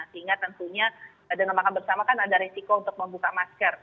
sehingga tentunya dengan makan bersama kan ada resiko untuk membuka masker